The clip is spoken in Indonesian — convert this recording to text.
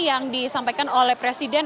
yang disampaikan oleh presiden